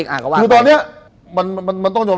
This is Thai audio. คือตอนนี้มันต้องรบนำ